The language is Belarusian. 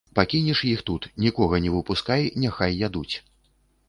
Пакінеш іх тут, нікога не выпускай, няхай ядуць.